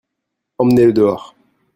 Emmenez-le dehors.